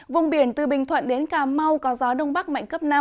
vùng biển từ bình thuận đến cà mau có gió đông bắc mạnh cấp năm